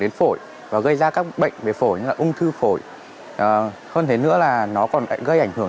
đến phổi và gây ra các bệnh về phổi như là ung thư phổi hơn thế nữa là nó còn lại gây ảnh hưởng